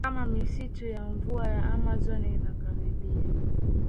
kama misitu ya mvua ya Amazon inakaribia